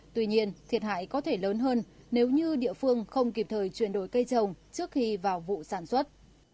tuy nhiên thiệt hại có thể lớn hơn nếu như địa phương không kịp thời chuyển đổi cây trồng trước khi vào vụ sản xuất